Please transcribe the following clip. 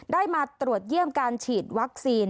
ได้มาตรวจเยี่ยมการฉีดวัคซีน